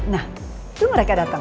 nah tunggu mereka datang